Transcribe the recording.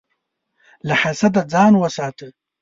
له حسده ځان وساته.